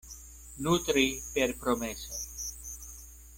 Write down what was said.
Nutri per promesoj.